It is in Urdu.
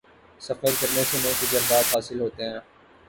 سفر کرنے سے نئے تجربات حاصل ہوتے ہیں